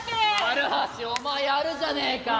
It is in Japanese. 丸橋お前やるじゃねえか！